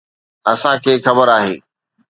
اسان کي خبر آهي.